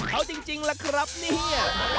เขาจริงแหละครับนี่